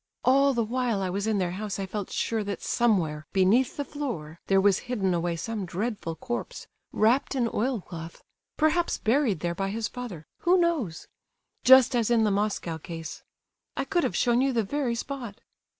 "All the while I was in their house I felt sure that somewhere beneath the floor there was hidden away some dreadful corpse, wrapped in oil cloth, perhaps buried there by his father, who knows? Just as in the Moscow case. I could have shown you the very spot!